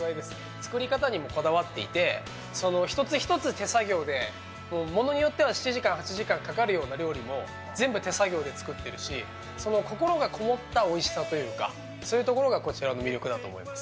作り方にもこだわっていて一つ一つ手作業でものによっては７時間、８時間かかるような料理も全部手作業で作ってるし心がこもったおいしさというかそういうところがこちらの魅力だと思います。